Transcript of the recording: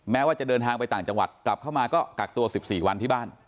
ว่าจะเดินทางไปต่างจังหวัดกลับเข้ามาก็กักตัว๑๔วันที่บ้าน